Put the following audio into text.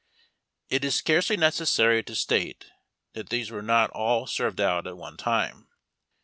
It is scarcely necessary to state that these were not all served out at one time.